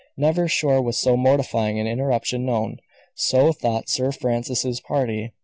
Never, sure, was so mortifying an interruption known. So thought Sir Francis's party.